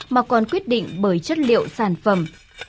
mà còn quyết định bởi chất liệu sản phẩm